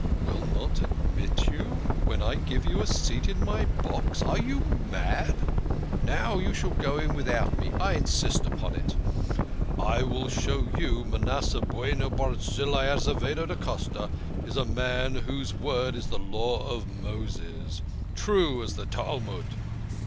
Will not admit you ! When I give you a seat in my box ! Are you mad ? Now you shall just go in without me I insist upon it. I will show you Manasseh Bueno Barzillai Azevedo da Costa is a man whose word is the Law of Moses ; true as the Talmud.